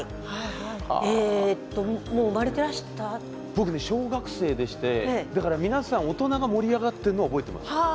僕ね小学生でしてだから皆さん大人が盛り上がってんのは覚えてます。